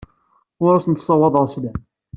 Ur asent-ssawaḍeɣ sslam.